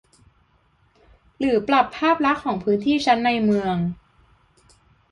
หรือปรับภาพลักษณ์ของพื้นที่ชั้นในเมือง